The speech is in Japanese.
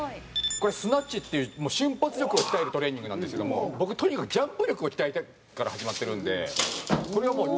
「これスナッチっていう瞬発力を鍛えるトレーニングなんですけども僕とにかく“ジャンプ力を鍛えたい”から始まってるんでこれはもう」